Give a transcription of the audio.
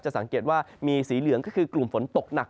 สังเกตว่ามีสีเหลืองก็คือกลุ่มฝนตกหนัก